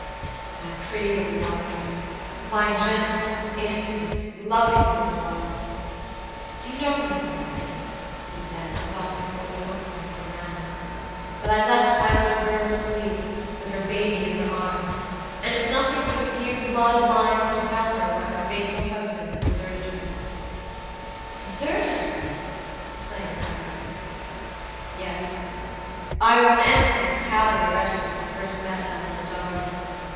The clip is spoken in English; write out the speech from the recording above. "My pretty little wife! My gentle, innocent, loving little wife! Do you know, Miss Morley," he said, with all his old hopefulness of manner, "that I left my little girl asleep, with her baby in her arms, and with nothing but a few blotted lines to tell her why her faithful husband had deserted her?" "Deserted her!" exclaimed the governess. "Yes. I was an ensign in a cavalry regiment when I first met my little darling.